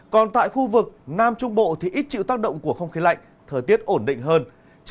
còn tại khu vực nam trung bộ thì ít chịu tác động của không khí lạnh thời tiết ổn định hơn